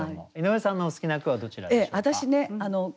井上さんのお好きな句はどちらでしょうか？